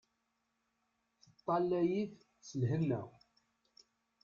Teṭṭalay-it s lhenna.